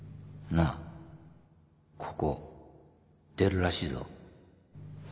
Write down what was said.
なあここ出るらしいぞ